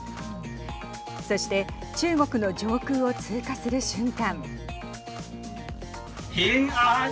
そして中国の上空を通過する瞬間。